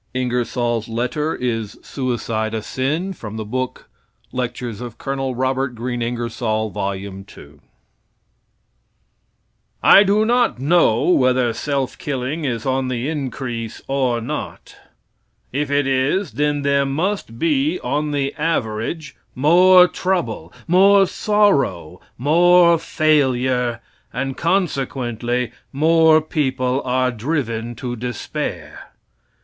Ingersoll's Letter, Is Suicide a Sin? (Colonel Ingersoll's First Letter) I do not know whether self killing is on the increase or not. If it is, then there must be, on the average, more trouble, more sorrow, more failure, and, consequently, more people are driven to despair.